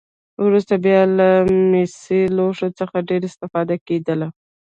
وروسته بیا له مسي لوښو څخه ډېره استفاده کېدله.